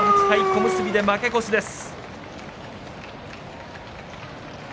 小結で負け越しです。